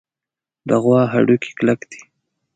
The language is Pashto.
د غوا هډوکي کلک دي.